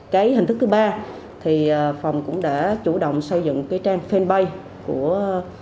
cái hình thức thứ ba thì phòng cũng đã chủ động xây dựng cái trang fanpage của